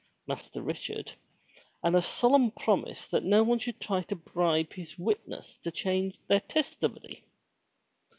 Master Richard, and a solemn promise that no one should try to bribe his witnesses to change their testimony.